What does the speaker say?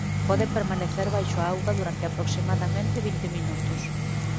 Pode permanecer baixo a auga durante aproximadamente vinte minutos.